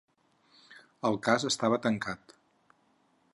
El cas estava tancat.